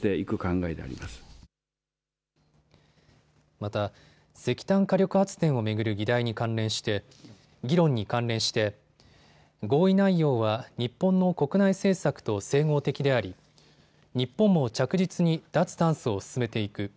また、石炭火力発電を巡る議論に関連して合意内容は日本の国内政策と整合的であり日本も着実に脱炭素を進めていく。